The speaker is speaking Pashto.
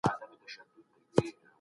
تاسي خپل بشري منابع بې کاره مه پرېږدئ.